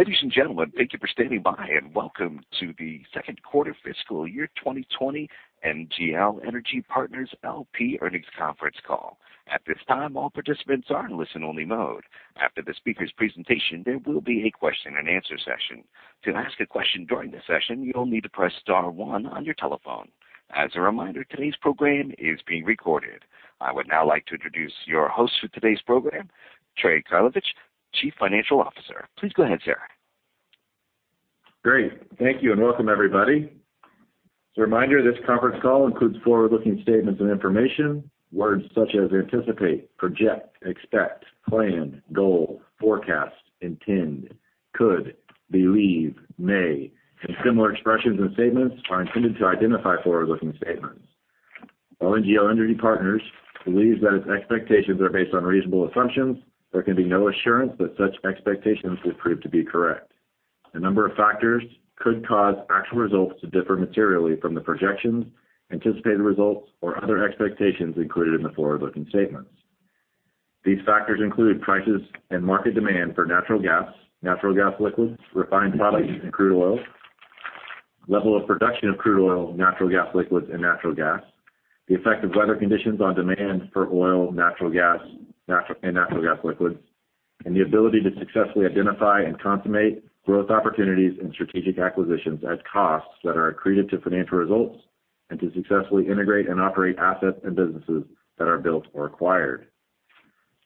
Ladies and gentlemen, thank you for standing by, and welcome to the second quarter fiscal year 2020 NGL Energy Partners LP earnings conference call. At this time, all participants are in listen-only mode. After the speakers' presentation, there will be a question and answer session. To ask a question during the session, you'll need to press star one on your telephone. As a reminder, today's program is being recorded. I would now like to introduce your host for today's program, Trey Karlovich, Chief Financial Officer. Please go ahead, sir. Great. Thank you. Welcome everybody. As a reminder, this conference call includes forward-looking statements and information. Words such as anticipate, project, expect, plan, goal, forecast, intend, could, believe, may, and similar expressions and statements are intended to identify forward-looking statements. While NGL Energy Partners believes that its expectations are based on reasonable assumptions, there can be no assurance that such expectations will prove to be correct. A number of factors could cause actual results to differ materially from the projections, anticipated results, or other expectations included in the forward-looking statements. These factors include prices and market demand for natural gas, natural gas liquids, refined products, and crude oil, level of production of crude oil, natural gas liquids, and natural gas, the effect of weather conditions on demand for oil and natural gas liquids, and the ability to successfully identify and consummate growth opportunities and strategic acquisitions at costs that are accretive to financial results and to successfully integrate and operate assets and businesses that are built or acquired.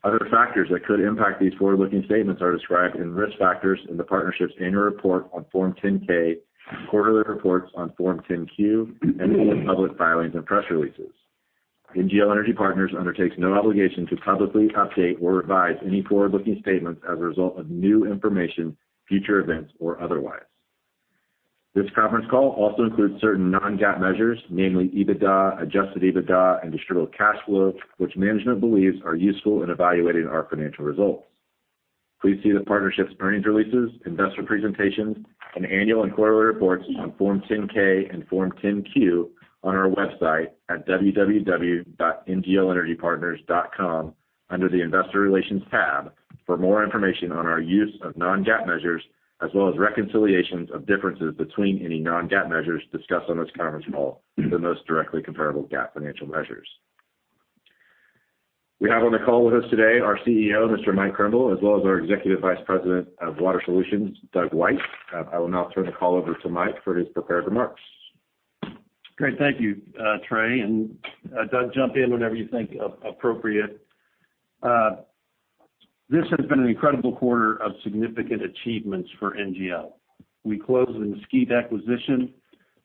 Other factors that could impact these forward-looking statements are described in Risk Factors in the partnership's annual report on Form 10-K, quarterly reports on Form 10-Q, and other public filings and press releases. NGL Energy Partners undertakes no obligation to publicly update or revise any forward-looking statements as a result of new information, future events, or otherwise. This conference call also includes certain non-GAAP measures, namely EBITDA, adjusted EBITDA, and distributable cash flow, which management believes are useful in evaluating our financial results. Please see the partnership's earnings releases, investor presentations, and annual and quarterly reports on Form 10-K and Form 10-Q on our website at www.nglenergypartners.com under the Investor Relations tab for more information on our use of non-GAAP measures, as well as reconciliations of differences between any non-GAAP measures discussed on this conference call to the most directly comparable GAAP financial measures. We have on the call with us today our CEO, Mr. Mike Krimbill, as well as our Executive Vice President of Water Solutions, Doug White. I will now turn the call over to Mike for his prepared remarks. Great. Thank you, Trey. Doug, jump in whenever you think appropriate. This has been an incredible quarter of significant achievements for NGL. We closed the Mesquite acquisition,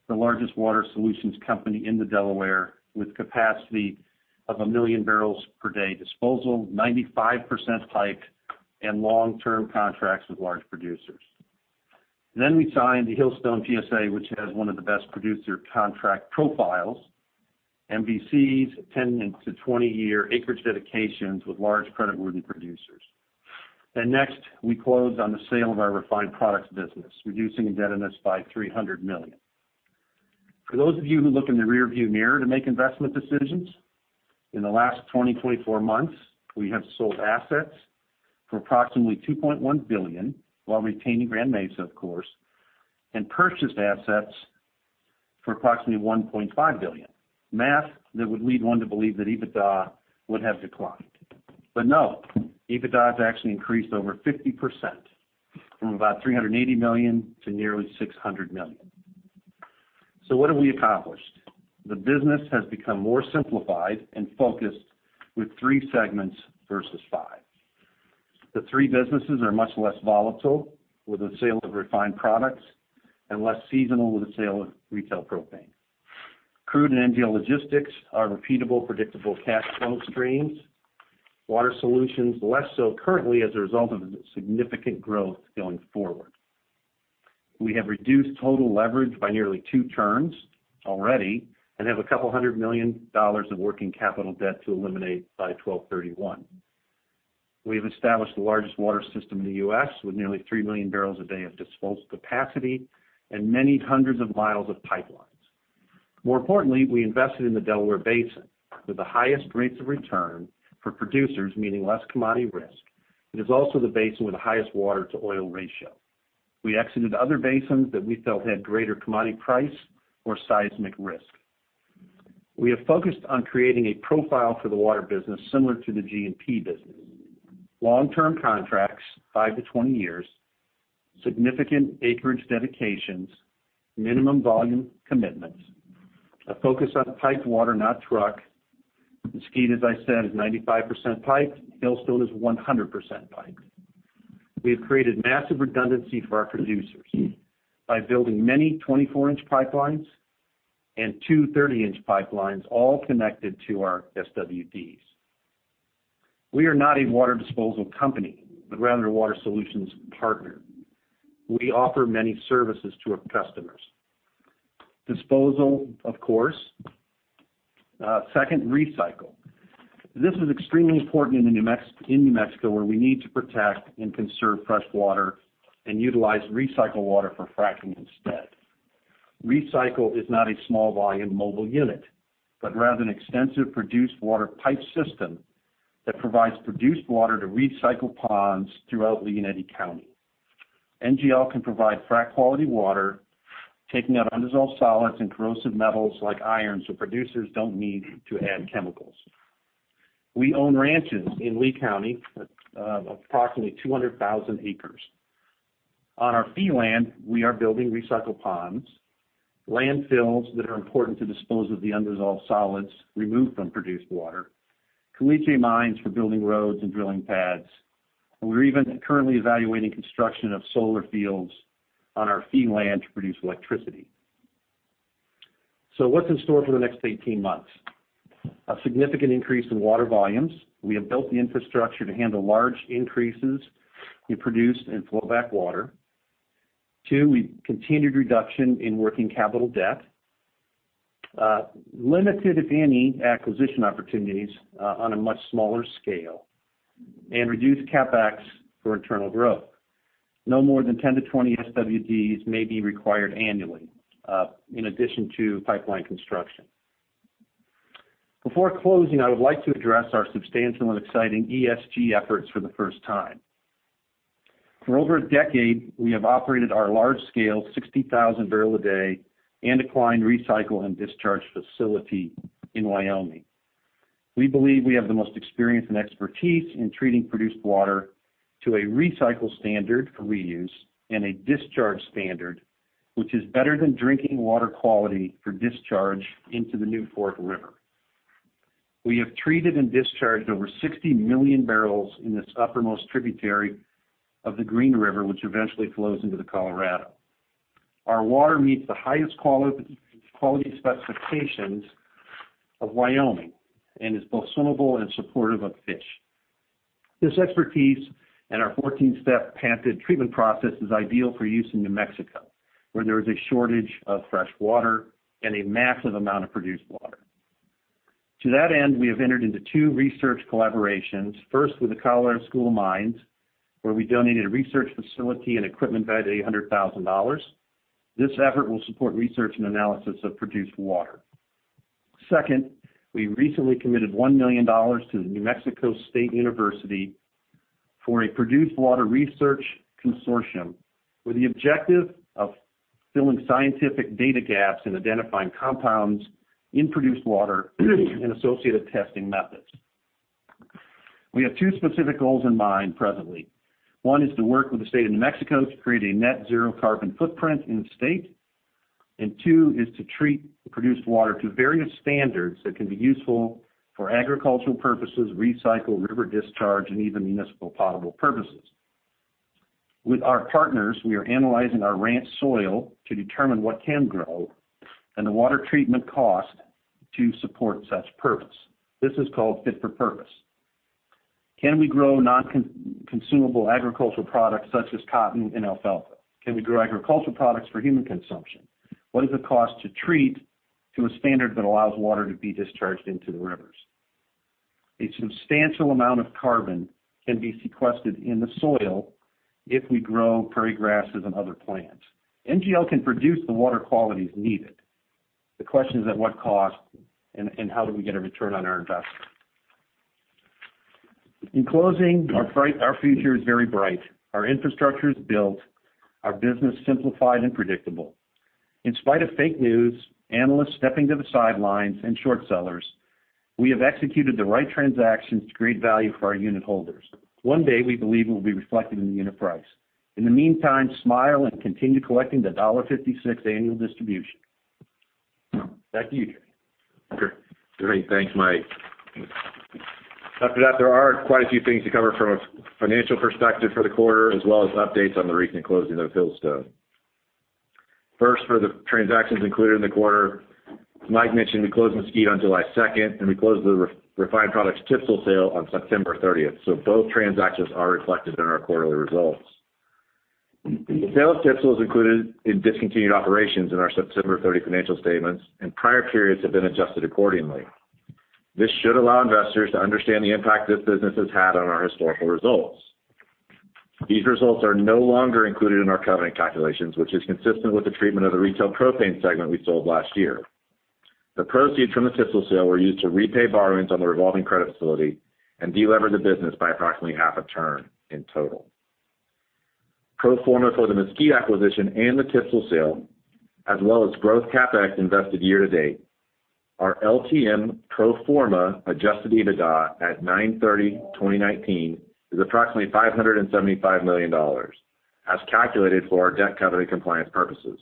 the largest Water Solutions company in the Delaware, with capacity of 1 million barrels per day disposal, 95% piped, and long-term contracts with large producers. We signed the Hillstone PSA, which has one of the best producer contract profiles, MVCs attending to 20-year acreage dedications with large creditworthy producers. Next, we closed on the sale of our refined products business, reducing indebtedness by $300 million. For those of you who look in the rearview mirror to make investment decisions, in the last 20, 24 months, we have sold assets for approximately $2.1 billion while retaining Grand Mesa, of course, and purchased assets for approximately $1.5 billion. Math that would lead one to believe that EBITDA would have declined. No, EBITDA has actually increased over 50%, from about $380 million to nearly $600 million. What have we accomplished? The business has become more simplified and focused with 3 segments versus 5. The 3 businesses are much less volatile with the sale of refined products and less seasonal with the sale of retail propane. Crude and NGL Logistics are repeatable, predictable cash flow streams. Water Solutions, less so currently as a result of significant growth going forward. We have reduced total leverage by nearly two turns already and have $200 million of working capital debt to eliminate by 12/31. We have established the largest water system in the U.S. with nearly 3 million barrels a day of disposal capacity and many hundreds of miles of pipelines. More importantly, we invested in the Delaware Basin with the highest rates of return for producers, meaning less commodity risk. It is also the basin with the highest water-to-oil ratio. We exited other basins that we felt had greater commodity price or seismic risk. We have focused on creating a profile for the water business similar to the G&P business. Long-term contracts, 5-20 years, significant acreage dedications, minimum volume commitments, a focus on piped water, not truck. Mesquite, as I said, is 95% piped. Hillstone is 100% piped. We have created massive redundancy for our producers by building many 24-inch pipelines and two 30-inch pipelines, all connected to our SWDs. We are not a water disposal company, but rather a Water Solutions partner. We offer many services to our customers. Disposal, of course. Second, recycle. This is extremely important in New Mexico, where we need to protect and conserve fresh water and utilize recycled water for fracking instead. Recycle is not a small volume mobile unit, but rather an extensive produced water pipe system that provides produced water to recycle ponds throughout Lea County. NGL can provide frack quality water, taking out undissolved solids and corrosive metals like iron, so producers don't need to add chemicals. We own ranches in Lea County of approximately 200,000 acres. On our fee land, we are building recycle ponds, landfills that are important to dispose of the undissolved solids removed from produced water, caliche mines for building roads and drilling pads, and we're even currently evaluating construction of solar fields on our fee land to produce electricity. What's in store for the next 18 months? A significant increase in water volumes. We have built the infrastructure to handle large increases in produced and flowback water. Two, we continued reduction in working capital debt. Limited, if any, acquisition opportunities on a much smaller scale, and reduced CapEx for internal growth. No more than 10-20 SWDs may be required annually, in addition to pipeline construction. Before closing, I would like to address our substantial and exciting ESG efforts for the first time. For over a decade, we have operated our large-scale 60,000-barrel a day anticline recycle and discharge facility in Wyoming. We believe we have the most experience and expertise in treating produced water to a recycle standard for reuse and a discharge standard which is better than drinking water quality for discharge into the New Fork River. We have treated and discharged over 60 million barrels in this uppermost tributary of the Green River, which eventually flows into the Colorado. Our water meets the highest quality specifications of Wyoming and is both swimmable and supportive of fish. This expertise and our 14-step patented treatment process is ideal for use in New Mexico, where there is a shortage of fresh water and a massive amount of produced water. To that end, we have entered into two research collaborations. First, with the Colorado School of Mines, where we donated a research facility and equipment valued at $800,000. This effort will support research and analysis of produced water. Second, we recently committed $1 million to the New Mexico State University for a produced water research consortium with the objective of filling scientific data gaps and identifying compounds in produced water and associated testing methods. We have two specific goals in mind presently. One is to work with the State of New Mexico to create a net zero carbon footprint in the state. Two is to treat the produced water to various standards that can be useful for agricultural purposes, recycle, river discharge, and even municipal potable purposes. With our partners, we are analyzing our ranch soil to determine what can grow and the water treatment cost to support such purpose. This is called fit for purpose. Can we grow non-consumable agricultural products such as cotton and alfalfa? Can we grow agricultural products for human consumption? What is it cost to treat to a standard that allows water to be discharged into the rivers? A substantial amount of carbon can be sequestered in the soil if we grow prairie grasses and other plants. NGL can produce the water qualities needed. The question is at what cost and how do we get a return on our investment? In closing, our future is very bright. Our infrastructure is built, our business simplified and predictable. In spite of fake news, analysts stepping to the sidelines, and short sellers, we have executed the right transactions to create value for our unitholders. One day, we believe it will be reflected in the unit price. In the meantime, smile and continue collecting the $1.56 annual distribution. Back to you. Great. Thanks, Mike. After that, there are quite a few things to cover from a financial perspective for the quarter, as well as updates on the recent closing of Hillstone. For the transactions included in the quarter, Mike mentioned we closed Mesquite on July 2nd, and we closed the refined products TransMontaigne Product Services sale on September 30th. Both transactions are reflected in our quarterly results. The sale of TransMontaigne Product Services is included in discontinued operations in our September 30 financial statements, and prior periods have been adjusted accordingly. This should allow investors to understand the impact this business has had on our historical results. These results are no longer included in our covenant calculations, which is consistent with the treatment of the retail propane segment we sold last year. The proceeds from the TPSL sale were used to repay borrowings on the revolving credit facility and de-lever the business by approximately half a turn in total. Pro forma for the Mesquite acquisition and the TPSL sale, as well as growth CapEx invested year to date, our LTM pro forma adjusted EBITDA at 9/30/2019 is approximately $575 million, as calculated for our debt covenant compliance purposes.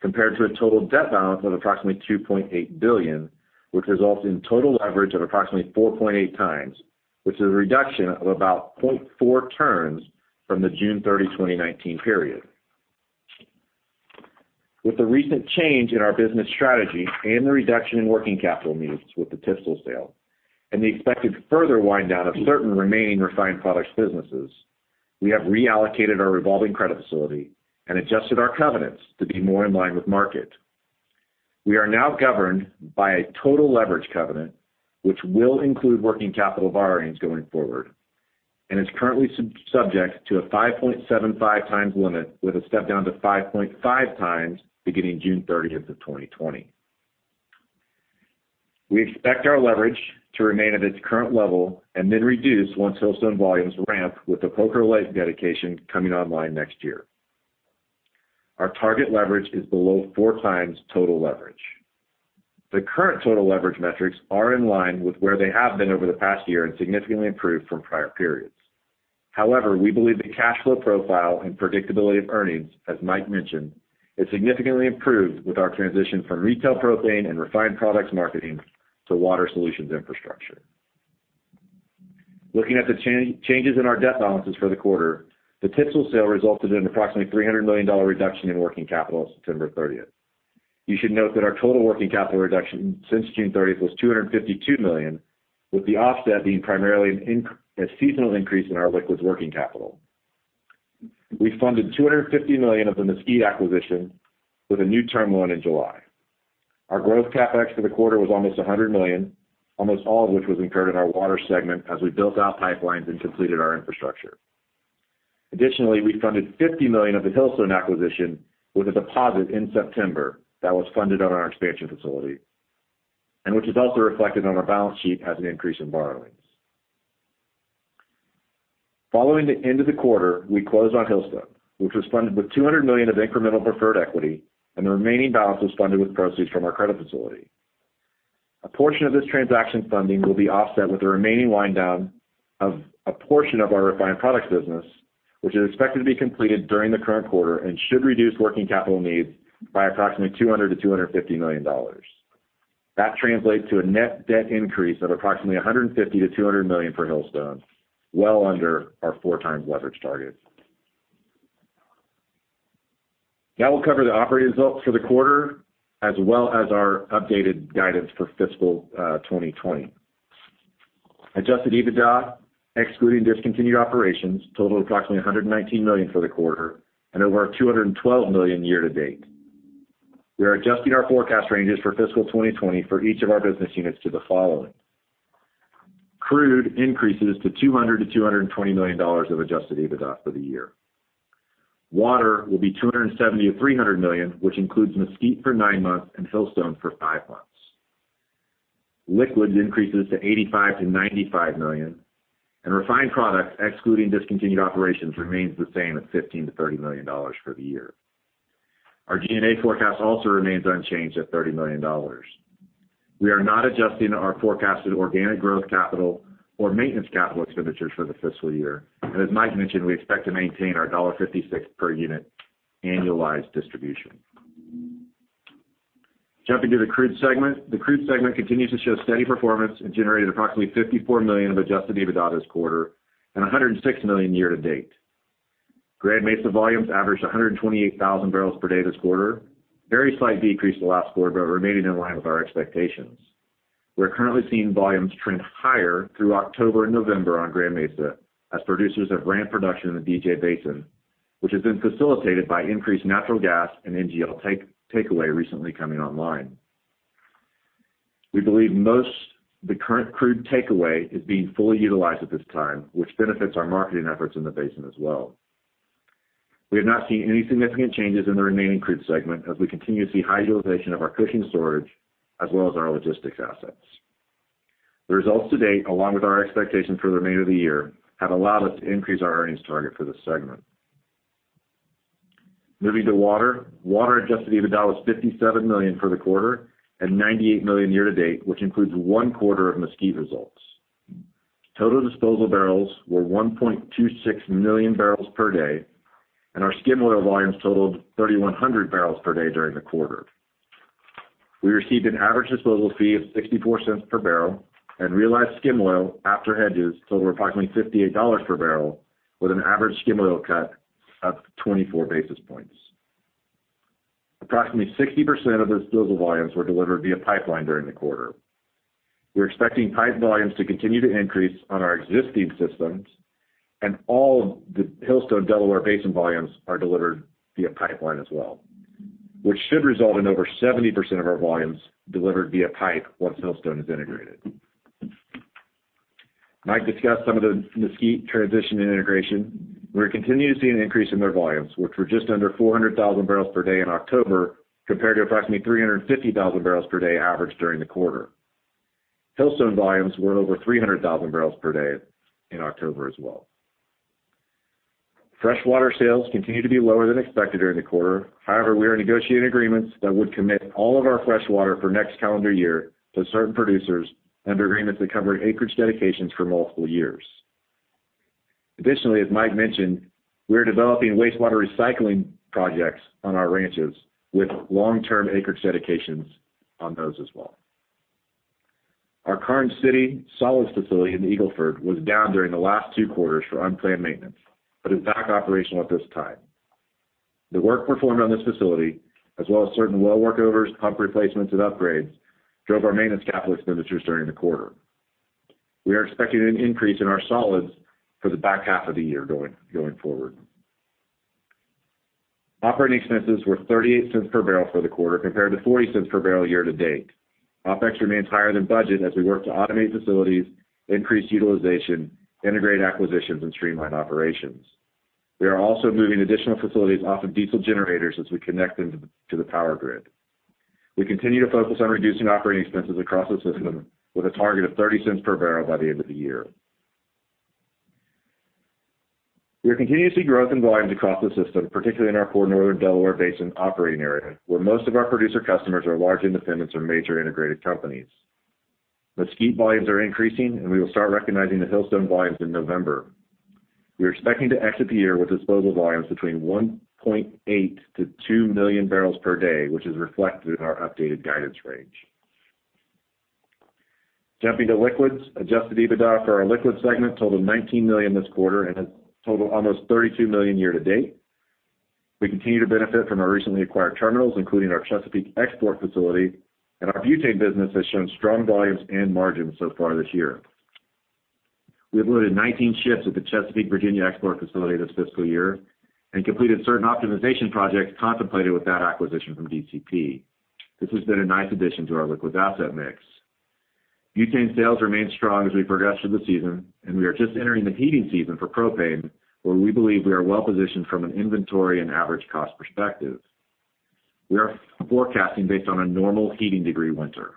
Compared to a total debt balance of approximately $2.8 billion, which results in total leverage of approximately 4.8 times, which is a reduction of about 0.4 turns from the June 30, 2019 period. With the recent change in our business strategy and the reduction in working capital needs with the TPSL sale, and the expected further wind-down of certain remaining refined products businesses, we have reallocated our revolving credit facility and adjusted our covenants to be more in line with market. We are now governed by a total leverage covenant, which will include working capital borrowings going forward, and is currently subject to a 5.75x limit with a step-down to 5.5x beginning June 30th of 2020. We expect our leverage to remain at its current level and then reduce once Hillstone volumes ramp with the Poker Lake dedication coming online next year. Our target leverage is below 4x total leverage. The current total leverage metrics are in line with where they have been over the past year and significantly improved from prior periods. We believe the cash flow profile and predictability of earnings, as Mike mentioned, is significantly improved with our transition from retail propane and refined products marketing to water solutions infrastructure. Looking at the changes in our debt balances for the quarter, the TPSL sale resulted in an approximately $300 million reduction in working capital as of September 30th. You should note that our total working capital reduction since June 30th was $252 million, with the offset being primarily a seasonal increase in our liquids working capital. We funded $250 million of the Mesquite acquisition with a new term loan in July. Our growth CapEx for the quarter was almost $100 million, almost all of which was incurred in our water segment as we built out pipelines and completed our infrastructure. Additionally, we funded $50 million of the Hillstone acquisition with a deposit in September that was funded on our expansion facility, and which is also reflected on our balance sheet as an increase in borrowings. Following the end of the quarter, we closed on Hillstone, which was funded with $200 million of incremental preferred equity, and the remaining balance was funded with proceeds from our credit facility. A portion of this transaction funding will be offset with the remaining wind down of a portion of our refined products business, which is expected to be completed during the current quarter and should reduce working capital needs by approximately $200 million-$250 million. That translates to a net debt increase of approximately $150 million-$200 million for Hillstone, well under our 4 times leverage target. Now we'll cover the operating results for the quarter as well as our updated guidance for fiscal 2020. Adjusted EBITDA, excluding discontinued operations, totaled approximately $119 million for the quarter and over $212 million year to date. We are adjusting our forecast ranges for fiscal 2020 for each of our business units to the following. Crude Oil Logistics increases to $200 million-$220 million of adjusted EBITDA for the year. Water Solutions will be $270 million-$300 million, which includes Mesquite for nine months and Hillstone for five months. NGL Logistics increases to $85 million-$95 million, and Refined Products, excluding discontinued operations, remains the same at $15 million-$30 million for the year. Our G&A forecast also remains unchanged at $30 million. We are not adjusting our forecasted organic growth CapEx or maintenance CapEx for the fiscal year. As Mike mentioned, we expect to maintain our $1.56 per unit annualized distribution. Jumping to the Crude segment. The Crude segment continues to show steady performance and generated approximately $54 million of adjusted EBITDA this quarter and $106 million year-to-date. Grand Mesa volumes averaged 128,000 barrels per day this quarter. Very slight decrease the last quarter, but remaining in line with our expectations. We are currently seeing volumes trend higher through October and November on Grand Mesa as producers have ramped production in the DJ Basin, which has been facilitated by increased natural gas and NGL takeaway recently coming online. We believe most the current crude takeaway is being fully utilized at this time, which benefits our marketing efforts in the basin as well. We have not seen any significant changes in the remaining Crude segment as we continue to see high utilization of our Cushing storage as well as our logistics assets. The results to date, along with our expectations for the remainder of the year, have allowed us to increase our earnings target for this segment. Moving to Water. Water adjusted EBITDA was $57 million for the quarter and $98 million year-to-date, which includes one quarter of Mesquite results. Total disposal barrels were 1.26 million barrels per day, and our skim oil volumes totaled 3,100 barrels per day during the quarter. We received an average disposal fee of $0.64 per barrel and realized skim oil after hedges totaled approximately $58 per barrel with an average skim oil cut of 24 basis points. Approximately 60% of those disposal volumes were delivered via pipeline during the quarter. We're expecting pipe volumes to continue to increase on our existing systems and all of the Hillstone Delaware Basin volumes are delivered via pipeline as well, which should result in over 70% of our volumes delivered via pipe once Hillstone is integrated. Mike discussed some of the Mesquite transition and integration. We're continuing to see an increase in their volumes, which were just under 400,000 barrels per day in October, compared to approximately 350,000 barrels per day averaged during the quarter. Hillstone volumes were over 300,000 barrels per day in October as well. Fresh water sales continue to be lower than expected during the quarter. We are negotiating agreements that would commit all of our fresh water for next calendar year to certain producers under agreements that cover acreage dedications for multiple years. Additionally, as Mike mentioned, we are developing wastewater recycling projects on our ranches with long-term acreage dedications on those as well. Our current caliche solids facility in Eagle Ford was down during the last two quarters for unplanned maintenance, but is back operational at this time. The work performed on this facility, as well as certain well workovers, pump replacements, and upgrades, drove our maintenance capital expenditures during the quarter. We are expecting an increase in our solids for the back half of the year going forward. Operating expenses were $0.38 per barrel for the quarter, compared to $0.40 per barrel year to date. OPEX remains higher than budget as we work to automate facilities, increase utilization, integrate acquisitions, and streamline operations. We are also moving additional facilities off of diesel generators as we connect them to the power grid. We continue to focus on reducing operating expenses across the system with a target of $0.30 per barrel by the end of the year. We are continuing to see growth in volumes across the system, particularly in our core Northern Delaware Basin operating area, where most of our producer customers are large independents or major integrated companies. Mesquite volumes are increasing, and we will start recognizing the Hillstone volumes in November. We are expecting to exit the year with disposal volumes between 1.8 million-2 million barrels per day, which is reflected in our updated guidance range. Jumping to liquids, adjusted EBITDA for our liquid segment totaled $19 million this quarter and has totaled almost $32 million year to date. We continue to benefit from our recently acquired terminals, including our Chesapeake export facility, and our butane business has shown strong volumes and margins so far this year. We have loaded 19 ships at the Chesapeake, Virginia export facility this fiscal year and completed certain optimization projects contemplated with that acquisition from DCP. This has been a nice addition to our liquids asset mix. Butane sales remain strong as we progress through the season, and we are just entering the heating season for propane, where we believe we are well positioned from an inventory and average cost perspective. We are forecasting based on a normal heating degree winter.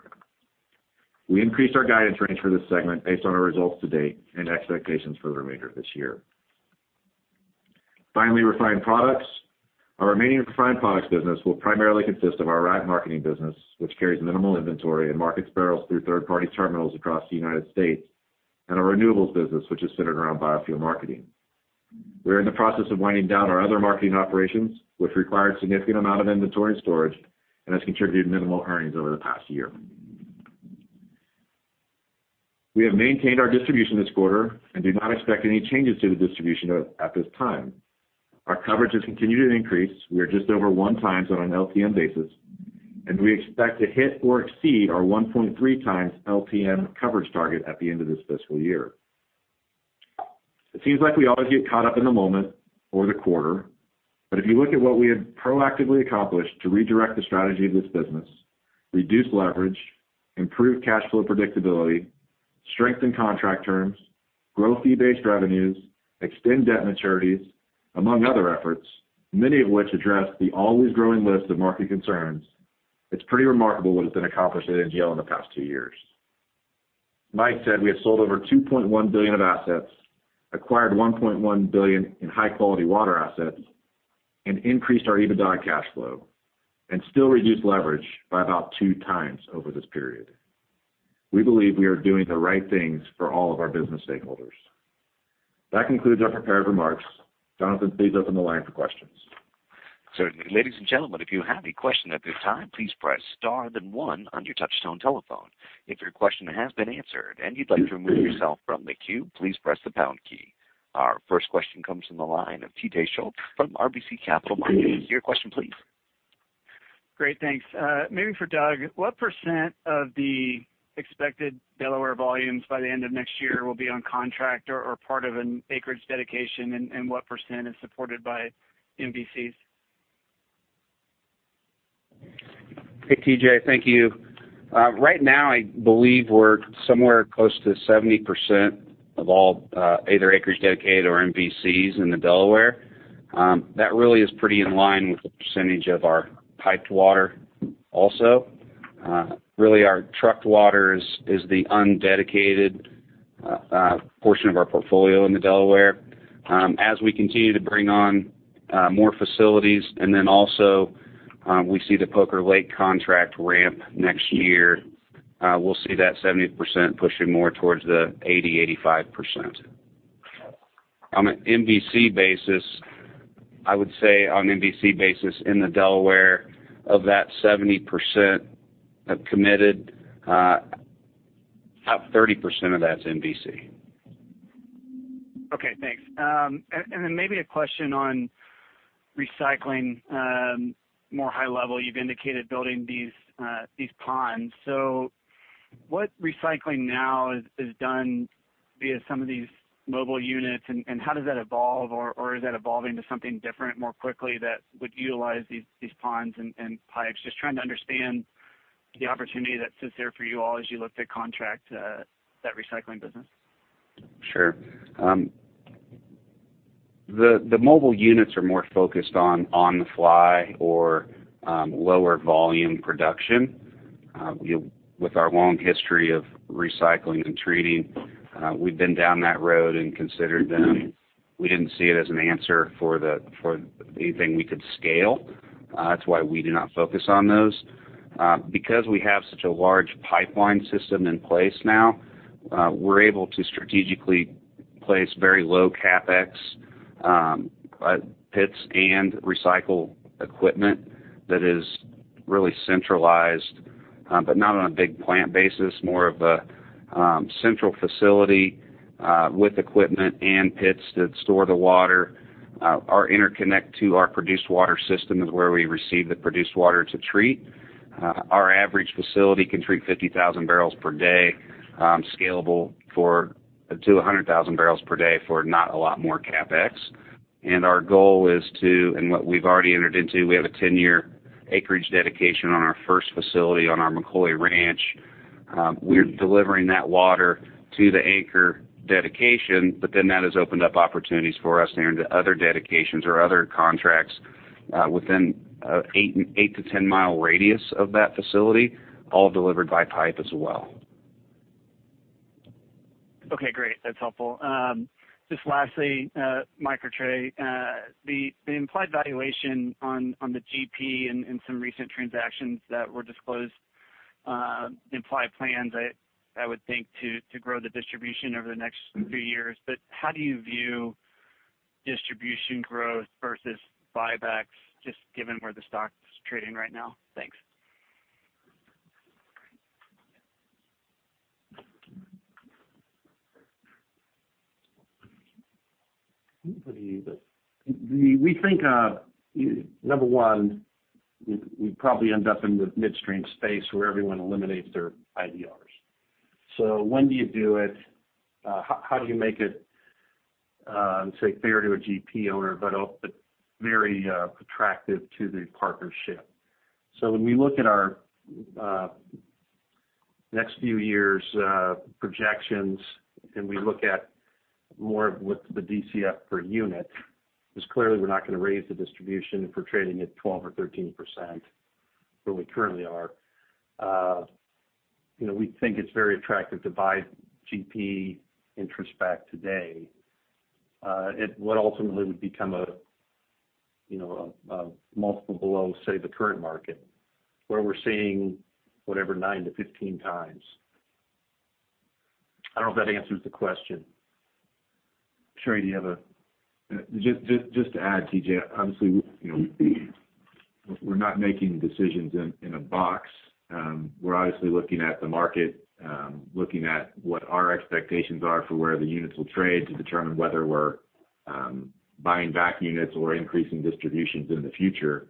We increased our guidance range for this segment based on our results to date and expectations for the remainder of this year. Finally, refined products. Our remaining refined products business will primarily consist of our rack marketing business, which carries minimal inventory and markets barrels through third-party terminals across the United States, and our renewables business, which is centered around biofuel marketing. We are in the process of winding down our other marketing operations, which required a significant amount of inventory storage and has contributed minimal earnings over the past year. We have maintained our distribution this quarter and do not expect any changes to the distribution at this time. Our coverage has continued to increase. We are just over 1 time on an LTM basis, and we expect to hit or exceed our 1.3 times LTM coverage target at the end of this fiscal year. It seems like we always get caught up in the moment or the quarter. If you look at what we have proactively accomplished to redirect the strategy of this business, reduce leverage, improve cash flow predictability, strengthen contract terms, grow fee-based revenues, extend debt maturities, among other efforts, many of which address the always growing list of market concerns, it's pretty remarkable what has been accomplished at NGL in the past two years. Mike said we have sold over $2.1 billion of assets, acquired $1.1 billion in high-quality water assets, and increased our EBITDA cash flow, and still reduced leverage by about two times over this period. We believe we are doing the right things for all of our business stakeholders. That concludes our prepared remarks. Jonathan, please open the line for questions. Certainly. Ladies and gentlemen, if you have a question at this time, please press star then one on your touchtone telephone. If your question has been answered and you'd like to remove yourself from the queue, please press the pound key. Our first question comes from the line of TJ Schultz from RBC Capital Markets. Your question please. Great, thanks. Maybe for Doug, what % of the expected Delaware volumes by the end of next year will be on contract or part of an acreage dedication, and what % is supported by MVCs? Hey, TJ. Thank you. Right now, I believe we're somewhere close to 70% of all either acreage dedicated or MVCs in the Delaware. That really is pretty in line with the percentage of our piped water also. Really, our trucked water is the undedicated portion of our portfolio in the Delaware. We continue to bring on more facilities and then also we see the Poker Lake contract ramp next year, we'll see that 70% pushing more towards the 80%, 85%. On an MVC basis in the Delaware, of that 70% of committed, about 30% of that's MVC. Okay, thanks. Maybe a question on recycling, more high level. You've indicated building these ponds. What recycling now is done via some of these mobile units, and how does that evolve or is that evolving to something different more quickly that would utilize these ponds and pipes? Just trying to understand the opportunity that sits there for you all as you look to contract that recycling business. Sure. The mobile units are more focused on on-the-fly or lower volume production. With our long history of recycling and treating, we've been down that road and considered them. We didn't see it as an answer for anything we could scale. That's why we do not focus on those. Because we have such a large pipeline system in place now, we're able to strategically place very low CapEx pits and recycle equipment that is really centralized, but not on a big plant basis, more of a central facility with equipment and pits that store the water. Our interconnect to our produced water system is where we receive the produced water to treat Our average facility can treat 50,000 barrels per day, scalable to 100,000 barrels per day for not a lot more CapEx. What we've already entered into, we have a 10-year acreage dedication on our first facility on our McCloy Ranch. We're delivering that water to the acre dedication, that has opened up opportunities for us to enter into other dedications or other contracts within an eight to 10-mile radius of that facility, all delivered by pipe as well. Okay, great. That's helpful. Just lastly, Mike or Trey, the implied valuation on the GP and some recent transactions that were disclosed imply plans, I would think, to grow the distribution over the next few years. How do you view distribution growth versus buybacks, just given where the stock's trading right now? Thanks. We think, number one, we probably end up in the midstream space where everyone eliminates their IDRs. When do you do it? How do you make it, say, fair to a GP owner, but very attractive to the partnership? When we look at our next few years' projections and we look at more with the DCF per unit, because clearly, we're not going to raise the distribution if we're trading at 12% or 13%, where we currently are. We think it's very attractive to buy GP interest back today. It would ultimately become a multiple below, say, the current market, where we're seeing whatever 9x-15x. I don't know if that answers the question. Trey, do you have a? Just to add, TJ, obviously, we're not making decisions in a box. We're obviously looking at the market, looking at what our expectations are for where the units will trade to determine whether we're buying back units or increasing distributions in the future.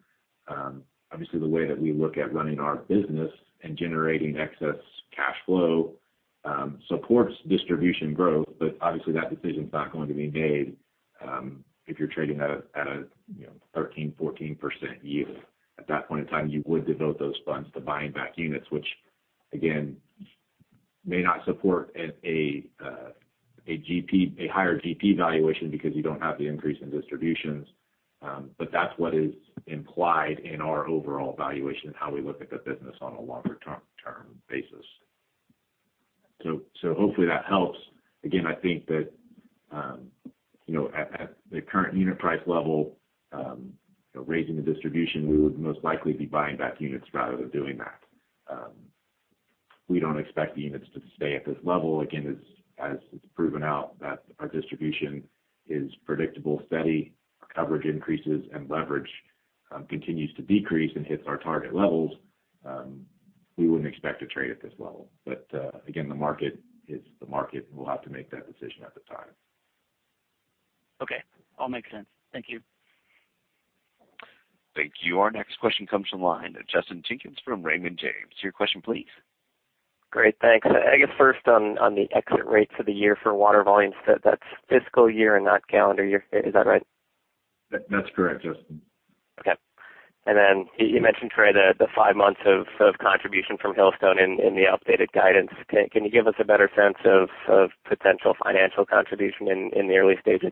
Obviously, the way that we look at running our business and generating excess cash flow supports distribution growth, obviously that decision is not going to be made if you're trading at a 13%-14% yield. At that point in time, you would devote those funds to buying back units, which again, may not support a higher GP valuation because you don't have the increase in distributions. That's what is implied in our overall valuation and how we look at the business on a longer-term basis. Hopefully that helps. Again, I think that at the current unit price level, raising the distribution, we would most likely be buying back units rather than doing that. We don't expect the units to stay at this level. Again, as it's proven out that our distribution is predictable, steady, our coverage increases, and leverage continues to decrease and hits our target levels, we wouldn't expect to trade at this level. Again, the market is the market, and we'll have to make that decision at the time. Okay. All makes sense. Thank you. Thank you. Our next question comes from the line of Justin Jenkins from Raymond James. Your question, please. Great, thanks. I guess first on the exit rates for the year for water volumes, that's fiscal year and not calendar year. Is that right? That's correct, Justin. Okay. Then you mentioned, Trey, the five months of contribution from Hillstone in the updated guidance. Can you give us a better sense of potential financial contribution in the early stages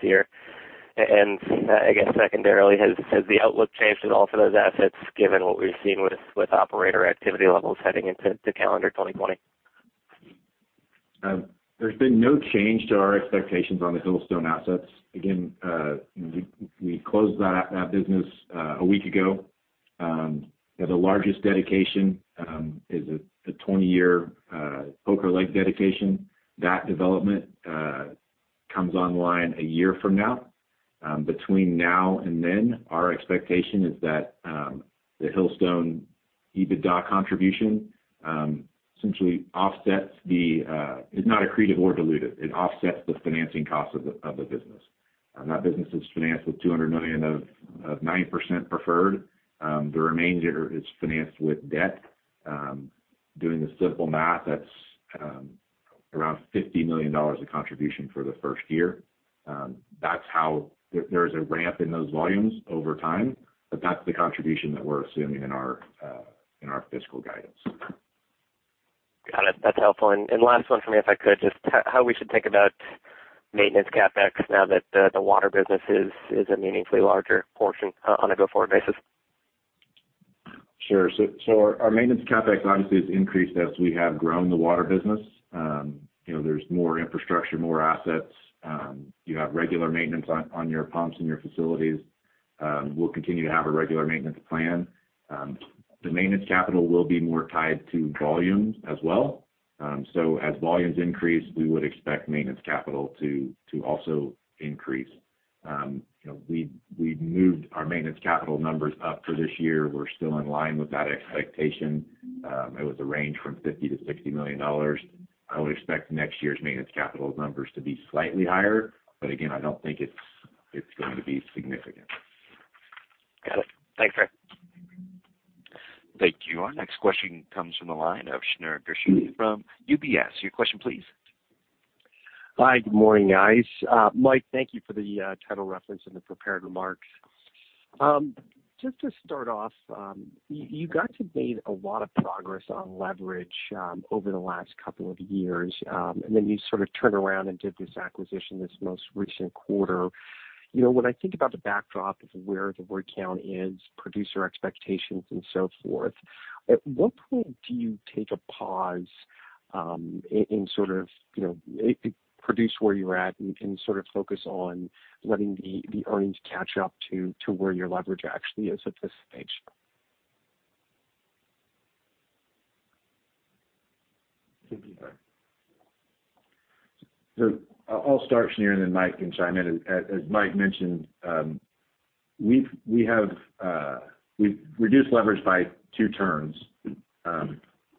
here? I guess secondarily, has the outlook changed at all for those assets given what we've seen with operator activity levels heading into calendar 2020? There's been no change to our expectations on the Hillstone assets. Again, we closed that business a week ago. The largest dedication is a 20-year Poker Lake dedication. That development comes online a year from now. Between now and then, our expectation is that the Hillstone EBITDA contribution essentially offsets the-- is not accretive or dilutive. It offsets the financing cost of the business. That business is financed with $200 million of 9% preferred. The remainder is financed with debt. Doing the simple math, that's around $50 million of contribution for the first year. There is a ramp in those volumes over time, but that's the contribution that we're assuming in our fiscal guidance. Got it. That's helpful. Last one for me, if I could, just how we should think about maintenance CapEx now that the Water Solutions is a meaningfully larger portion on a go-forward basis. Sure. Our maintenance CapEx obviously has increased as we have grown the Water Solutions business. There's more infrastructure, more assets. You have regular maintenance on your pumps and your facilities. We'll continue to have a regular maintenance plan. The maintenance capital will be more tied to volumes as well. As volumes increase, we would expect maintenance capital to also increase. We've moved our maintenance capital numbers up for this year. We're still in line with that expectation. It was a range from $50 million-$60 million. I would expect next year's maintenance capital numbers to be slightly higher. Again, I don't think it's going to be significant. Got it. Thanks, Trey. Thank you. Our next question comes from the line of Shneur Gershuni from UBS. Your question, please. Hi, good morning, guys. Mike, thank you for the title reference in the prepared remarks. Just to start off, you guys have made a lot of progress on leverage over the last couple of years, and then you sort of turned around and did this acquisition this most recent quarter. When I think about the backdrop of where the rig count is, producer expectations, and so forth, at what point do you take a pause and sort of produce where you're at and sort of focus on letting the earnings catch up to where your leverage actually is at this stage? Thank you. I'll start, Shneur, and then Mike can chime in. As Mike mentioned, we've reduced leverage by two turns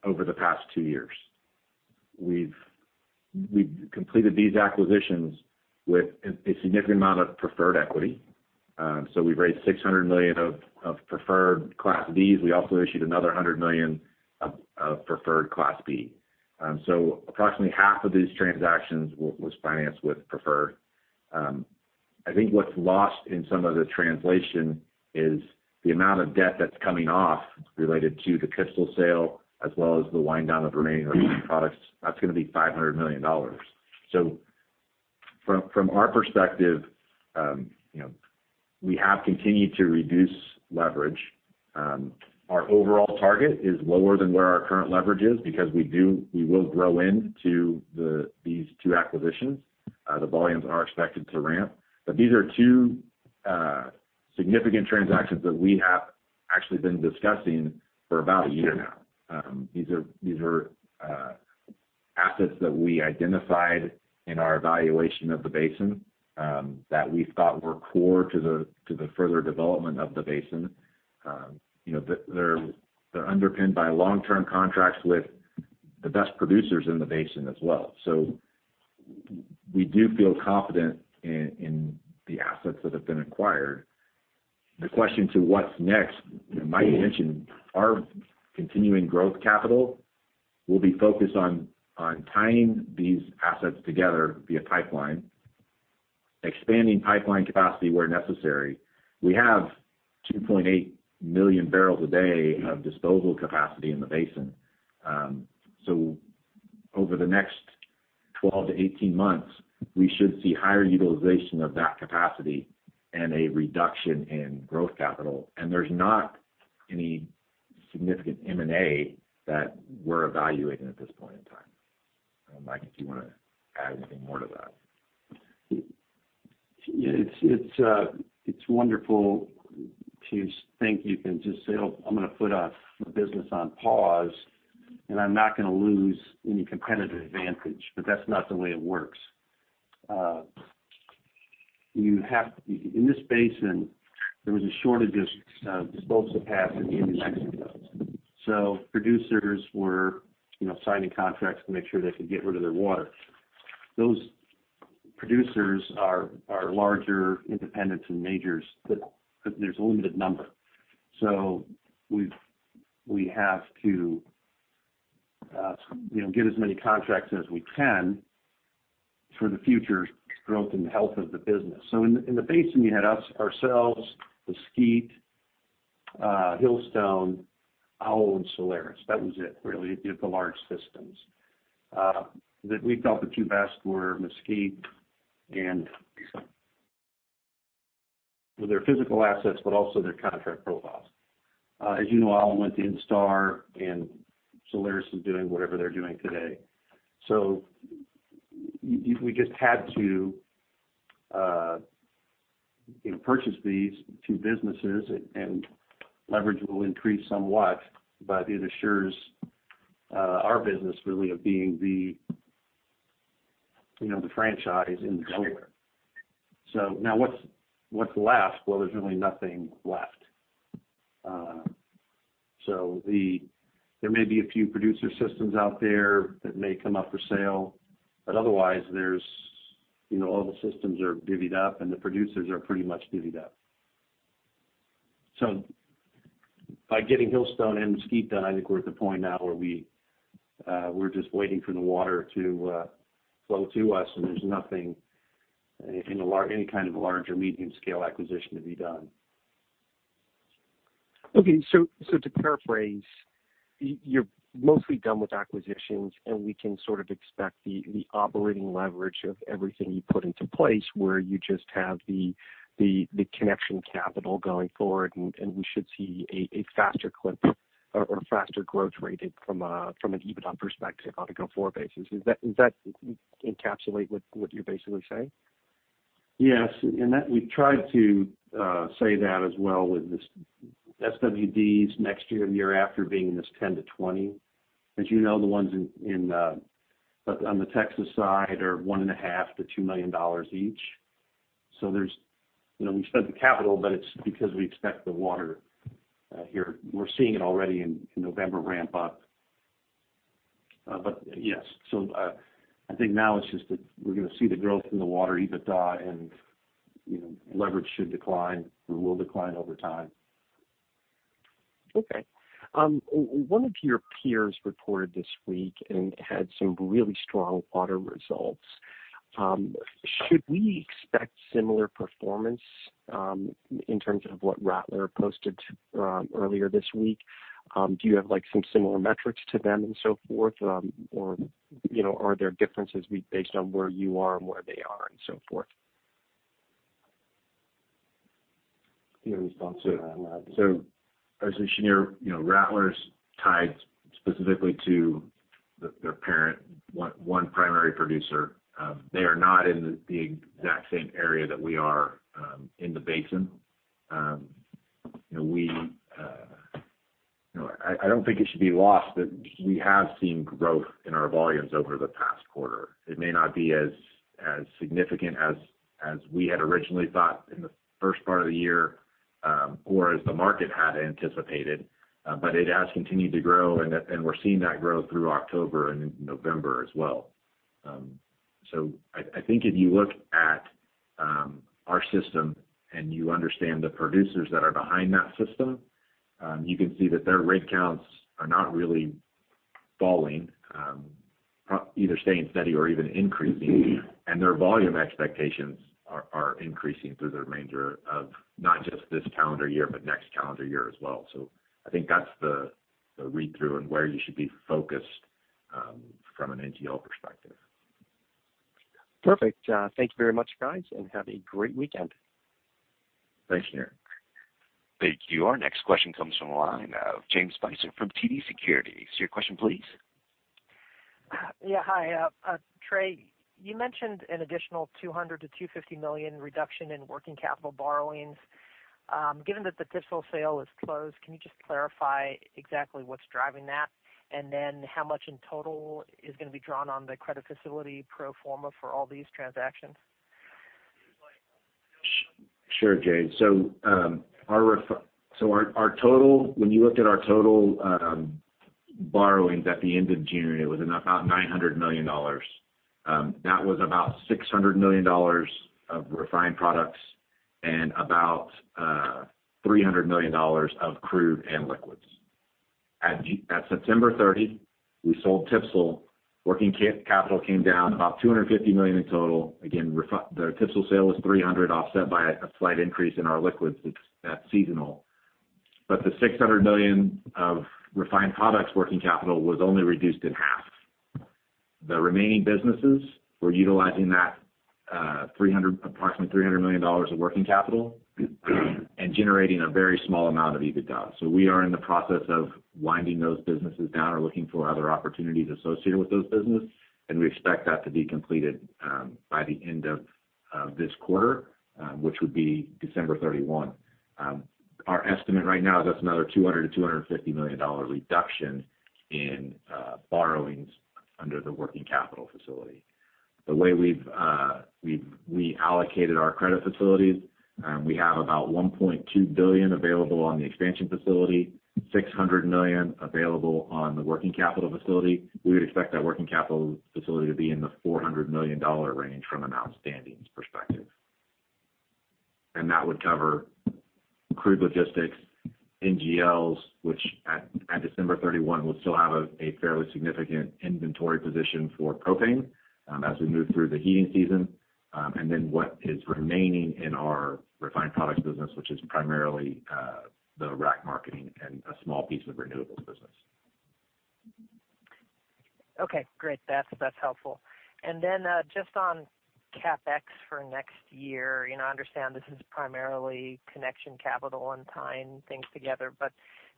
over the past two years. We've completed these acquisitions with a significant amount of preferred equity. We've raised $600 million of preferred Class Bs. We also issued another $100 million of preferred Class B. Approximately half of these transactions was financed with preferred. I think what's lost in some of the translation is the amount of debt that's coming off related to the TPSL sale, as well as the wind down of remaining products. That's going to be $500 million. From our perspective, we have continued to reduce leverage. Our overall target is lower than where our current leverage is because we will grow into these two acquisitions. The volumes are expected to ramp. These are two significant transactions that we have actually been discussing for about a year now. These are assets that we identified in our evaluation of the basin, that we thought were core to the further development of the basin. They're underpinned by long-term contracts with the best producers in the basin as well. We do feel confident in the assets that have been acquired. The question to what's next, Mike mentioned our continuing growth capital will be focused on tying these assets together via pipeline, expanding pipeline capacity where necessary. We have 2.8 million barrels a day of disposal capacity in the basin. Over the next 12-18 months, we should see higher utilization of that capacity and a reduction in growth capital. There's not any significant M&A that we're evaluating at this point in time. Mike, if you want to add anything more to that. It's wonderful to think you can just say, "Oh, I'm going to put a business on pause, and I'm not going to lose any competitive advantage," but that's not the way it works. In this basin, there was a shortage of disposal capacity in New Mexico. Producers were signing contracts to make sure they could get rid of their water. Those producers are larger independents and majors, but there's a limited number. We have to get as many contracts as we can for the future growth and health of the business. In the basin, you had us, ourselves, Mesquite, Hillstone, OWL, and Solaris. That was it, really, the large systems. That we felt the two best were Mesquite and with their physical assets, but also their contract profiles. As you know, OWL went to Instar, and Solaris is doing whatever they're doing today. We just had to purchase these two businesses, and leverage will increase somewhat, but it assures our business really of being the franchise in the Permian. Now what's left? Well, there's really nothing left. There may be a few producer systems out there that may come up for sale, but otherwise, all the systems are divvied up and the producers are pretty much divvied up. By getting Hillstone and Mesquite done, I think we're at the point now where we're just waiting for the water to flow to us, and there's nothing in any kind of large or medium scale acquisition to be done. Okay. To paraphrase, you're mostly done with acquisitions, and we can sort of expect the operating leverage of everything you put into place where you just have the connection capital going forward, and we should see a faster clip or faster growth rate from an EBITDA perspective on a go-forward basis. Does that encapsulate what you're basically saying? Yes. In that we've tried to say that as well with the SWDs next year and the year after being this $10 million-$20 million. As you know, the ones on the Texas side are $1.5 million-$2 million each. We spent the capital, but it's because we expect the water here. We're seeing it already in November ramp up. Yes. I think now it's just that we're going to see the growth in the water EBITDA and leverage should decline or will decline over time. Okay. One of your peers reported this week and had some really strong water results. Should we expect similar performance in terms of what Rattler posted earlier this week? Do you have some similar metrics to them and so forth? Are there differences based on where you are and where they are and so forth? Your response to that, Mike? In general, Rattler's tied specifically to their parent, one primary producer. They are not in the exact same area that we are in the basin. I don't think it should be lost that we have seen growth in our volumes over the past quarter. It may not be as significant as we had originally thought in the first part of the year, or as the market had anticipated. It has continued to grow, and we're seeing that growth through October and into November as well. I think if you look at our system and you understand the producers that are behind that system, you can see that their rig counts are not really falling, either staying steady or even increasing. Their volume expectations are increasing through the remainder of not just this calendar year, but next calendar year as well. I think that's the read-through and where you should be focused from an NGL perspective. Perfect. Thanks very much, guys, and have a great weekend. Thanks. Thank you. Thank you. Our next question comes from the line of Jade Spicer from TD Securities. Your question, please. Yeah. Hi. Trey, you mentioned an additional $200 million-$250 million reduction in working capital borrowings. Given that the TPSL sale is closed, can you just clarify exactly what's driving that? How much in total is going to be drawn on the credit facility pro forma for all these transactions? Sure, Jade. When you looked at our total borrowings at the end of January, it was about $900 million. That was about $600 million of refined products and about $300 million of crude and liquids. At September 30, we sold TPSL. Working capital came down about $250 million in total. Again, the TPSL sale was $300 million, offset by a slight increase in our liquids. That's seasonal. The $600 million of refined products working capital was only reduced in half. The remaining businesses were utilizing that approximately $300 million of working capital and generating a very small amount of EBITDA. We are in the process of winding those businesses down or looking for other opportunities associated with those business, and we expect that to be completed by the end of this quarter, which would be December 31. Our estimate right now is that's another $200 to $250 million reduction in borrowings under the working capital facility. The way we allocated our credit facilities, we have about $1.2 billion available on the expansion facility, $600 million available on the working capital facility. We would expect that working capital facility to be in the $400 million range from an outstanding perspective. That would cover Crude Oil Logistics, NGLs, which at December 31, we'll still have a fairly significant inventory position for propane as we move through the heating season. Then what is remaining in our refined products business, which is primarily the rack marketing and a small piece of renewables business. Okay, great. That's helpful. Just on CapEx for next year, I understand this is primarily connection capital and tying things together,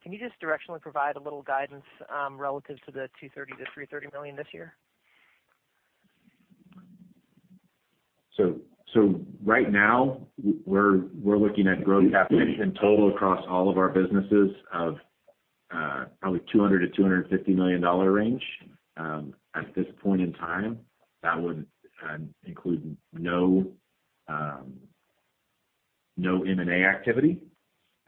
can you just directionally provide a little guidance relative to the $230 million-$330 million this year? Right now, we're looking at growth capital in total across all of our businesses of probably $200 million-$250 million range. At this point in time, that would include no M&A activity.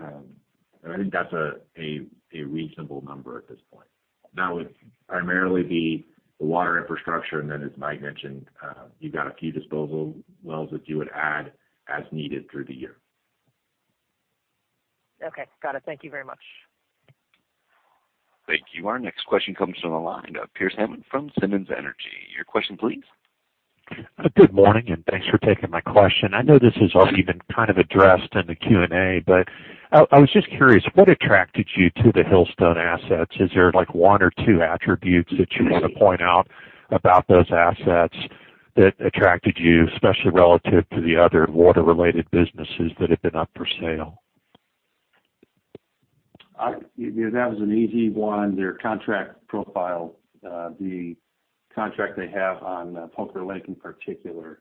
I think that's a reasonable number at this point. That would primarily be the water infrastructure, and then as Mike mentioned, you've got a few disposal wells that you would add as needed through the year. Okay, got it. Thank you very much. Thank you. Our next question comes from the line of Pearce Hammond from Simmons Energy. Your question, please. Good morning. Thanks for taking my question. I know this has already been kind of addressed in the Q&A. I was just curious, what attracted you to the Hillstone assets? Is there one or two attributes that you would point out about those assets that attracted you, especially relative to the other water-related businesses that have been up for sale? That was an easy one. Their contract profile, the contract they have on Poker Lake in particular,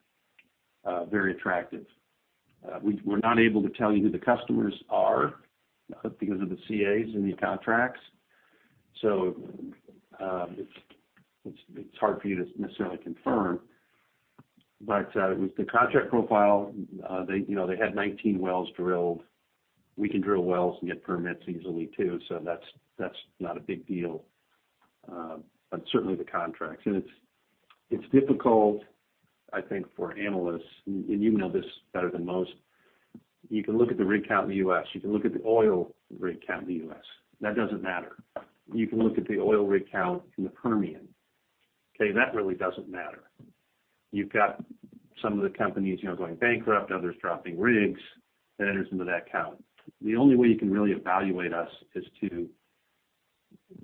very attractive. We’re not able to tell you who the customers are because of the CAs in these contracts. It's hard for you to necessarily confirm. With the contract profile, they had 19 wells drilled. We can drill wells and get permits easily too, that's not a big deal. Certainly, the contracts. It's difficult, I think, for analysts, and you know this better than most, you can look at the rig count in the U.S. You can look at the oil rig count in the U.S. That doesn't matter. You can look at the oil rig count in the Permian. Okay, that really doesn't matter. You've got some of the companies going bankrupt, others dropping rigs, that enters into that count. The only way you can really evaluate us is to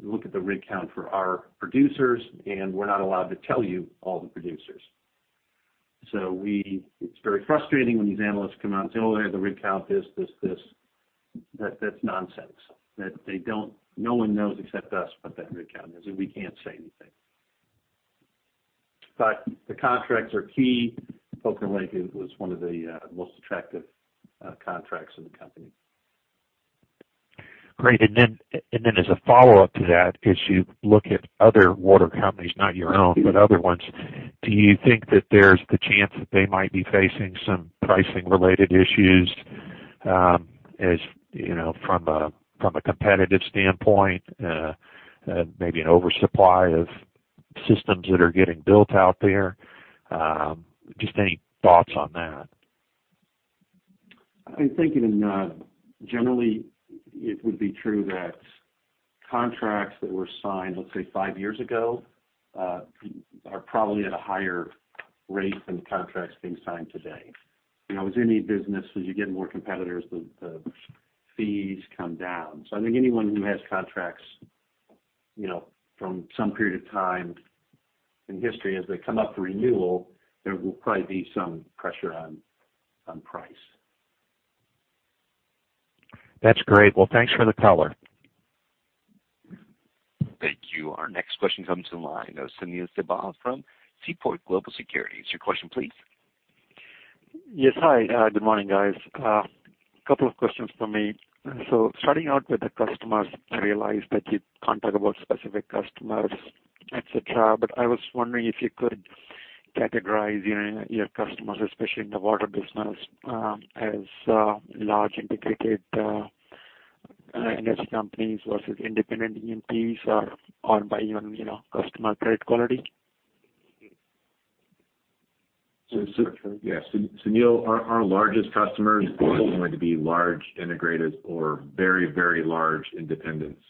look at the rig count for our producers, we're not allowed to tell you all the producers. It's very frustrating when these analysts come out and say, "Oh, yeah, the rig count this, this." That's nonsense. No one knows except us what that rig count is, and we can't say anything. The contracts are key. Poker Lake was one of the most attractive contracts in the company. Great. As a follow-up to that, as you look at other water companies, not your own, but other ones, do you think that there's the chance that they might be facing some pricing-related issues from a competitive standpoint, maybe an oversupply of systems that are getting built out there? Just any thoughts on that? I think generally, it would be true that contracts that were signed, let's say, 5 years ago, are probably at a higher rate than contracts being signed today. As any business, as you get more competitors, the fees come down. I think anyone who has contracts from some period of time in history, as they come up for renewal, there will probably be some pressure on price. That's great. Well, thanks for the color. Thank you. Our next question comes on the line of Sunil Sibal from Seaport Global Securities. Your question, please. Yes. Hi, good morning, guys. Couple of questions from me. Starting out with the customers, I realize that you can't talk about specific customers, et cetera, but I was wondering if you could categorize your customers, especially in the water business, as large integrated energy companies versus independent E&Ps or by even customer credit quality. Yes. Sunil, our largest customers are going to be large integrated or very large independents,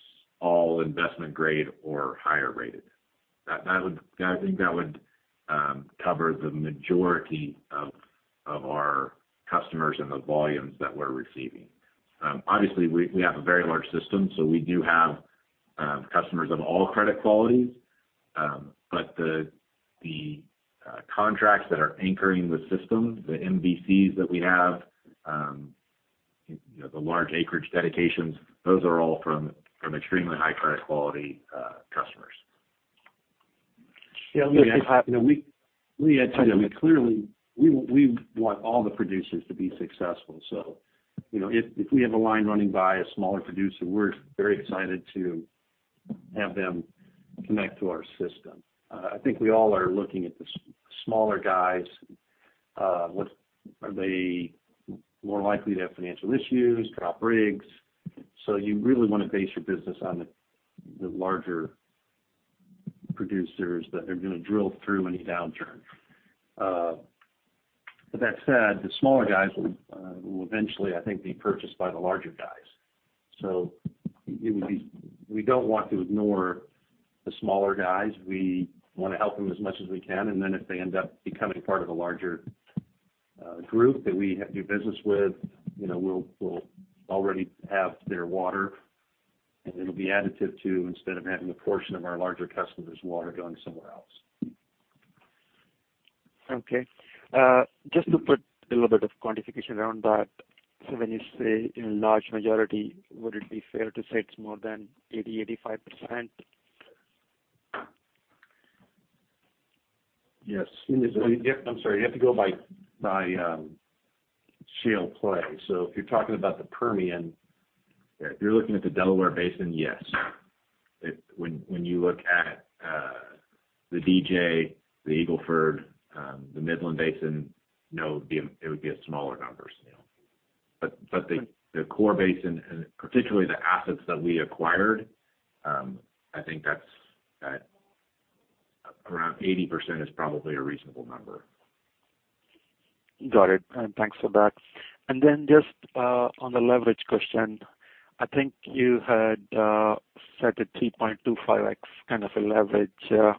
all investment-grade or higher rated. I think that would cover the majority of our customers and the volumes that we're receiving. Obviously, we have a very large system, so we do have customers of all credit qualities. The contracts that are anchoring the system, the MVCs that we have, the large acreage dedications, those are all from extremely high credit quality customers. Yeah, look, we clearly want all the producers to be successful. If we have a line running by a smaller producer, we're very excited to have them connect to our system. I think we all are looking at the smaller guys. Are they more likely to have financial issues, drop rigs? You really want to base your business on the larger producers that are going to drill through any downturn. That said, the smaller guys will eventually, I think, be purchased by the larger guys. We don't want to ignore the smaller guys. We want to help them as much as we can, and then if they end up becoming part of a larger group that we do business with, we'll already have their water, and it'll be additive too, instead of having a portion of our larger customer's water going somewhere else. Okay. Just to put a little bit of quantification around that. When you say in large majority, would it be fair to say it's more than 80%, 85%? Yes. I'm sorry. You have to go by shale play. If you're talking about the Permian, if you're looking at the Delaware Basin, yes. If when you look at the DJ, the Eagle Ford, the Midland Basin, no, it would be a smaller number, Sunil. The core basin, and particularly the assets that we acquired, I think around 80% is probably a reasonable number. Got it. Thanks for that. Then just on the leverage question, I think you had set a 3.25x kind of a leverage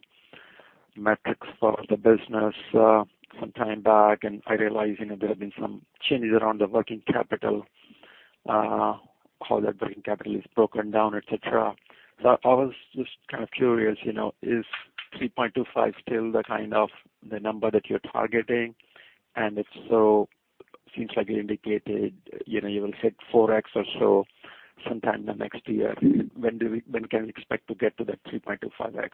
metrics for the business some time back, and I realize there have been some changes around the working capital, how that working capital is broken down, et cetera. I was just kind of curious, is 3.25 still the kind of the number that you're targeting? If so, seems like you indicated you will hit 4x or so sometime the next year. When can we expect to get to that 3.25x?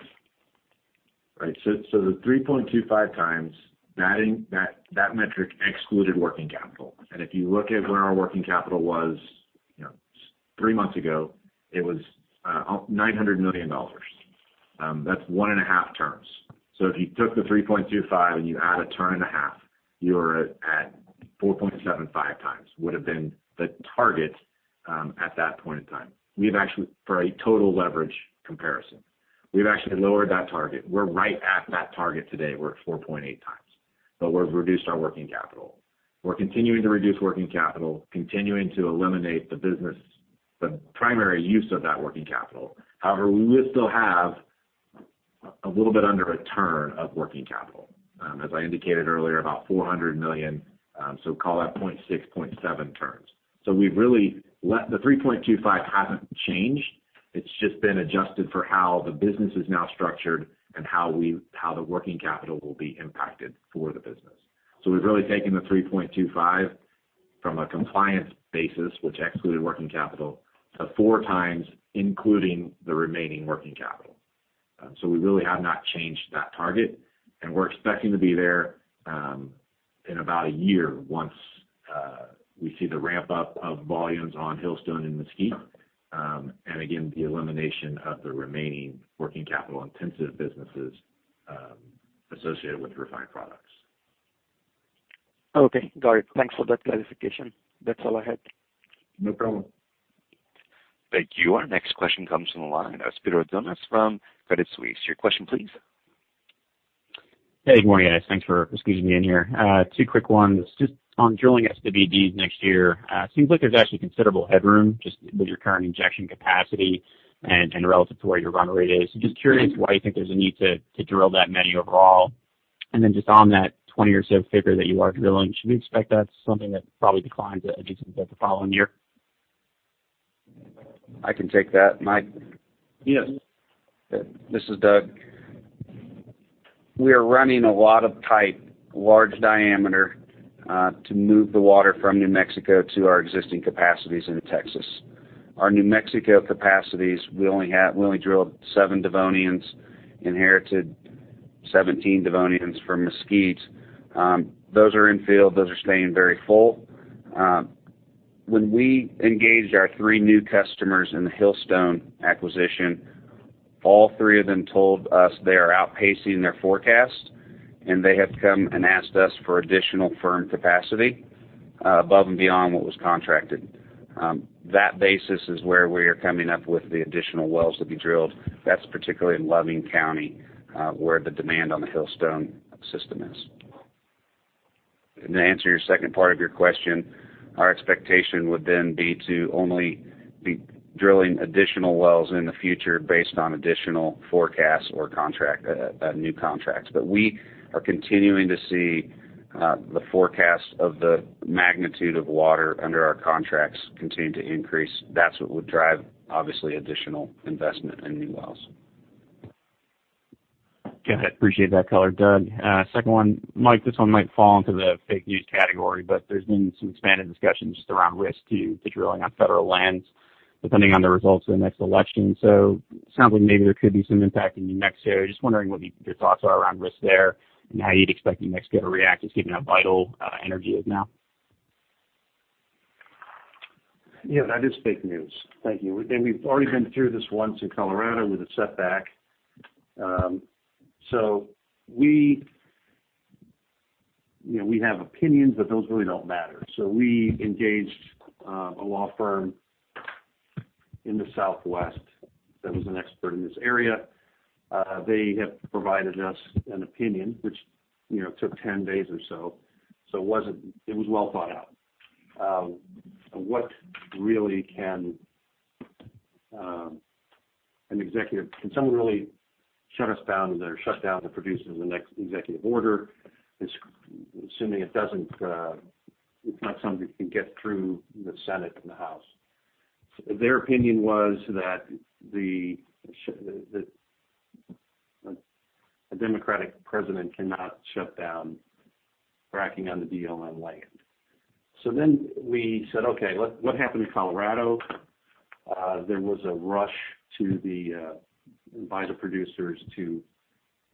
Right. The 3.25 times, that metric excluded working capital. If you look at where our working capital was three months ago, it was $900 million. That's 1.5 turns. If you took the 3.25 and you add 1.5 turns, you are at 4.75 times would've been the target at that point in time for a total leverage comparison. We've actually lowered that target. We're right at that target today. We're at 4.8 times. We've reduced our working capital. We're continuing to reduce working capital, continuing to eliminate the business, the primary use of that working capital. We will still have a little bit under 1 turn of working capital. As I indicated earlier, about $400 million. Call that 0.6, 0.7 turns. The 3.25 hasn't changed. It's just been adjusted for how the business is now structured and how the working capital will be impacted for the business. We've really taken the 3.25 from a compliance basis, which excluded working capital, to four times, including the remaining working capital. We really have not changed that target, and we're expecting to be there in about a year once we see the ramp up of volumes on Hillstone and Mesquite. Again, the elimination of the remaining working capital-intensive businesses associated with refined products. Okay, got it. Thanks for that clarification. That's all I had. No problem. Thank you. Our next question comes from the line of Spiro Dounis from Credit Suisse. Your question please. Hey, good morning guys. Thanks for squeezing me in here. Two quick ones. Just on drilling SWDs next year, seems like there's actually considerable headroom just with your current injection capacity and relative to where your run rate is. Just curious why you think there's a need to drill that many overall. Just on that 20 or so figure that you are drilling, should we expect that's something that probably declines adjacent to the following year? I can take that, Mike. Yes. This is Doug. We are running a lot of pipe, large diameter, to move the water from New Mexico to our existing capacities into Texas. Our New Mexico capacities, we only drilled seven Devonians, inherited 17 Devonians from Mesquite. Those are in field. Those are staying very full. When we engaged our three new customers in the Hillstone acquisition, all three of them told us they are outpacing their forecast, and they have come and asked us for additional firm capacity above and beyond what was contracted. That basis is where we are coming up with the additional wells to be drilled. That's particularly in Loving County, where the demand on the Hillstone system is. To answer your second part of your question, our expectation would then be to only be drilling additional wells in the future based on additional forecasts or new contracts. We are continuing to see the forecast of the magnitude of water under our contracts continue to increase. That's what would drive, obviously, additional investment in new wells. Got it. Appreciate that color, Doug. Second one, Mike, this one might fall into the fake news category, but there's been some expanded discussions just around risk to drilling on federal lands depending on the results of the next election. Sounds like maybe there could be some impact in New Mexico. Just wondering what your thoughts are around risk there and how you'd expect New Mexico to react, just given how vital energy is now. Yeah, that is fake news. Thank you. We've already been through this once in Colorado with a setback. We have opinions, but those really don't matter. We engaged a law firm in the Southwest that was an expert in this area. They have provided us an opinion which took 10 days or so. It was well thought out. What really can someone really shut us down or shut down the producers in the next executive order, assuming it's not something that can get through the Senate and the House? Their opinion was that a Democratic president cannot shut down fracking on the BLM land. We said, okay, what happened in Colorado? There was a rush by the producers to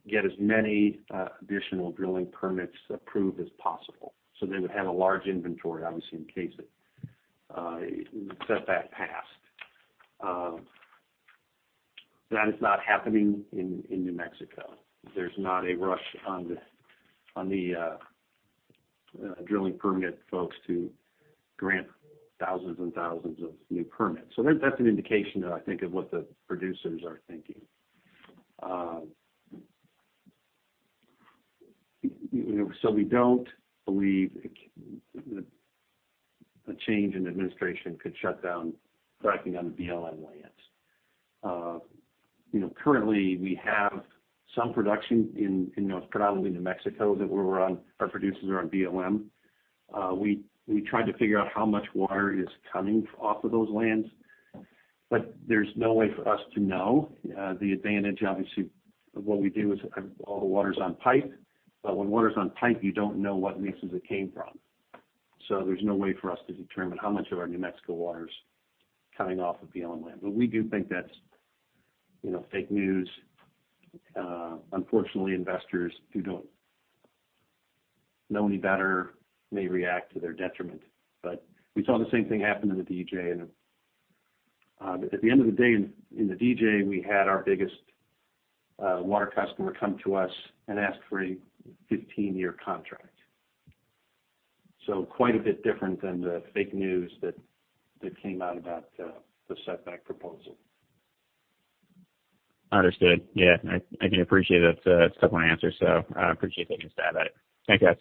get as many additional drilling permits approved as possible. They would have a large inventory, obviously, in case the setback passed. That is not happening in New Mexico. There's not a rush on the drilling permit folks to grant thousands and thousands of new permits. That's an indication that I think of what the producers are thinking. We don't believe a change in administration could shut down fracking on the BLM lands. Currently, we have some production in predominantly New Mexico that our producers are on BLM. We tried to figure out how much water is coming off of those lands, but there's no way for us to know. The advantage obviously of what we do is all the water's on pipe, but when water's on pipe, you don't know what mixes it came from. There's no way for us to determine how much of our New Mexico water is coming off of BLM land. We do think that's fake news. Unfortunately, investors who don't know any better may react to their detriment. We saw the same thing happen in the DJ. At the end of the day in the DJ, we had our biggest water customer come to us and ask for a 15-year contract. Quite a bit different than the fake news that came out about the setback proposal. Understood. Yeah. I can appreciate that's a couple of answers. I appreciate taking a stab at it. Thanks, guys.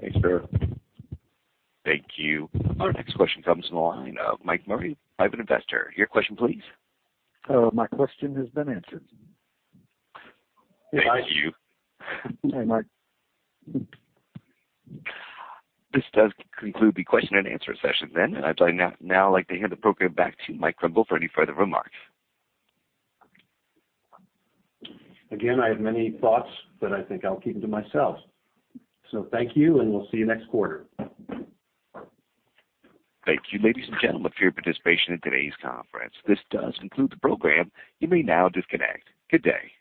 Thanks, Spiro. Thank you. Our next question comes from the line of Mike Murray, private investor. Your question please. My question has been answered. Thank you. Hi, Mike. This does conclude the question and answer session then. I'd now like to hand the program back to Mike Krimbill for any further remarks. Again, I have many thoughts, but I think I'll keep them to myself. Thank you, and we'll see you next quarter. Thank you, ladies and gentlemen for your participation in today's conference. This does conclude the program. You may now disconnect. Good day.